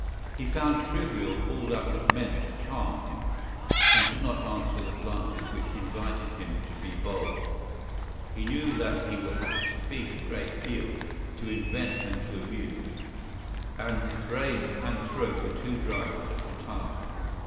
He found trivial all that was meant to charm him and did not answer the glances which invited him to be bold. He knew that he would have to speak a great deal, to invent and to amuse, and his brain and throat were too dry for such a task.